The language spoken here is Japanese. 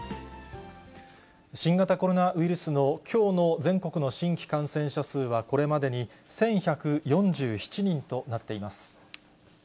新型コロナウイルスのきょうの全国の新規感染者数は、これまでに１１４７人となっています。